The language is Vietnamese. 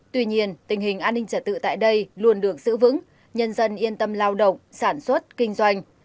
tuy nhiên tình hình an ninh trật tự tại đây luôn được giữ vững nhân dân yên tâm lao động sản xuất kinh doanh